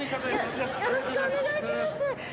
よろしくお願いします。